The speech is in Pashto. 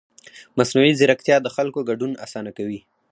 مصنوعي ځیرکتیا د خلکو ګډون اسانه کوي.